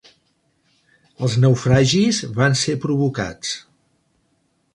Els naufragis van ser provocats.